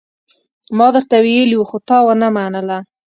ما درته ويلي وو، خو تا ونه منله.